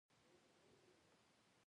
خوله يې وچه وه.